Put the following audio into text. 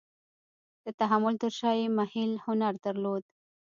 د تحمل تر شا یې محیل هنر درلود.